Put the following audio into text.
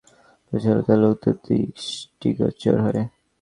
মেঘ মুগীছ নামক উপত্যকায় পৌছলে তা লোকদের দৃষ্টিগোচর হয়।